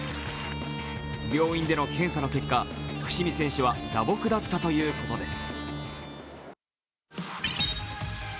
病院での検査の結果、伏見選手は打撲だったということです。